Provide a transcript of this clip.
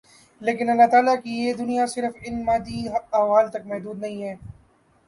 لیکن اللہ تعالیٰ کی یہ دنیا صرف ان مادی احوال تک محدود نہیں ہے